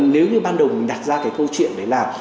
nếu như ban đầu mình đặt ra cái câu chuyện đấy là